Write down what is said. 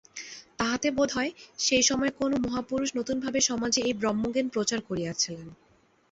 তাহাতে বোধ হয়, সেই সময় কোন মহাপুরুষ নূতনভাবে সমাজে এই ব্রহ্মজ্ঞান প্রচার করিয়াছিলেন।